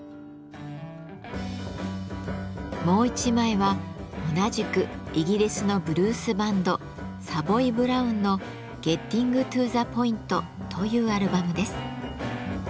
もう１枚は同じくイギリスのブルースバンドサヴォイ・ブラウンの「ゲッティング・トゥ・ザ・ポイント」というアルバムです。